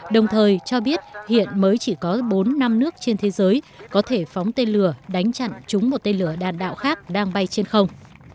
đồng thời cho biết hiện mới chỉ có bốn năm nước trên thế giới có thể phóng tên lửa đánh chặn chúng một tên lửa đạn đạo khác đang bay trên không